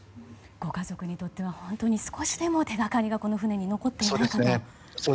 ご家族にとっては少しでも手掛かりがこの船に残っていないかと。